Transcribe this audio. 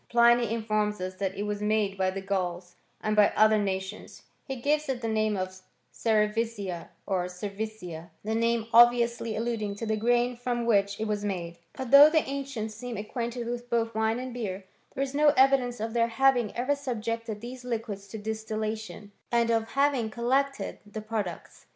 ^ Pliny in forms us that it was made by the Grauls, and by other nations. He gives it tlie name ofcerevisia or cervisia; • the name obviously alluding to the grain from which it was made. But though the ancients seem acquainted with both wine and beer, there is no evidence of their having ever subjected these liquids to distillation, and of having collected the products.